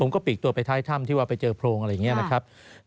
ก็ปีกตัวไปท้ายถ้ำที่ว่าไปเจอโพรงอะไรอย่างนี้นะครับ